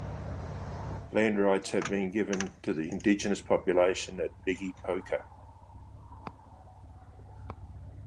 Land rights have been given to the indigenous population at Bigi Poika.